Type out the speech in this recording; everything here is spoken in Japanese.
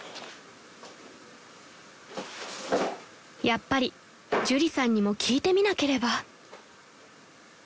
［やっぱり朱里さんにも聞いてみなければ］